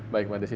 baik mbak desi